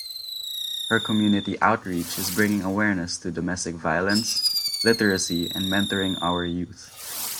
Her community outreach is bringing awareness to domestic violence, Literacy, and Mentoring Our Youth.